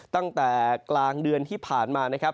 ตั้งแต่กลางเดือนที่ผ่านมานะครับ